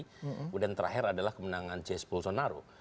kemudian terakhir adalah kemenangan jess bolsonaro